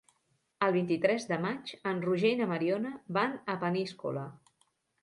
El vint-i-tres de maig en Roger i na Mariona van a Peníscola.